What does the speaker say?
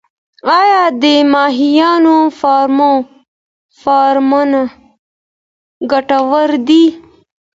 آیا د ماهیانو فارمونه ګټور دي؟